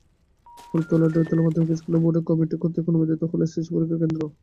হলতা-ডৌয়াতলা মাধ্যমিক স্কুলের জন্য বোর্ডের কমিটি কর্তৃক অনুমোদিত হলো এসএসসি পরীক্ষার কেন্দ্র।